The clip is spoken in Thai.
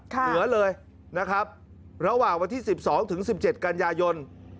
เหนือเลยนะครับระหว่างวันที่๑๒ถึง๑๗กันยายน